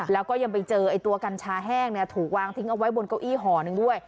แล้วก็ยังไปเจอตัวกัญชาแห้งถูกวางทิ้งเอาไว้บนเก้าอี้ห่อหนึ่งด้วย